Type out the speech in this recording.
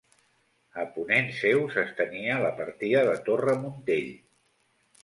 A ponent seu s'estenia la partida de Torre Montell.